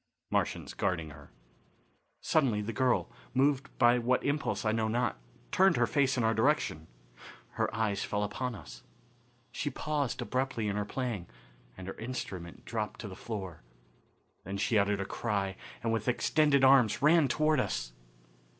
Martians Guarding Her. Suddenly the girl, moved by what impulse I know not, turned her face in our direction. Her eyes fell upon us. She paused abruptly in her playing, and her instrument dropped to the floor. Then she uttered a cry, and with extended arms ran toward us.